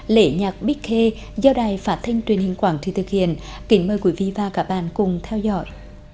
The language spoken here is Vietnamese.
lễ nhạc big ke do đài phát thanh truyền hình quảng trì thực hiện kính mời quý vị và các bạn cùng theo dõi